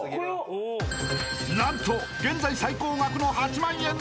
［何と現在最高額の８万円で落札］